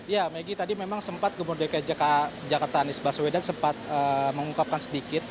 ya maggie tadi memang sempat gemur dekai jakarta anies baswedan sempat mengungkapkan sedikit